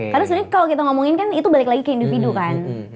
karena sebenernya kalau kita ngomongin kan itu balik lagi ke individu kan